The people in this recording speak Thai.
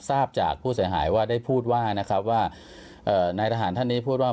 ทราบจากผู้เสียหายว่าได้พูดว่านะครับว่าเอ่อนายทหารท่านนี้พูดว่า